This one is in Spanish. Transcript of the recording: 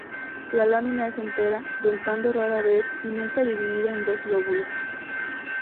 La lámina es entera, dentado rara vez y nunca dividida en dos lóbulos.